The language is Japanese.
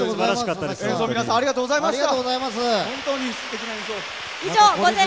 演奏の皆さんありがとうございました。